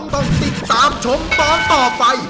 ต้องติดตามชมตอนต่อไป